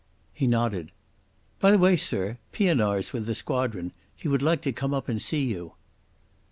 He nodded. "By the way, sir, Pienaar's with the squadron. He would like to come up and see you."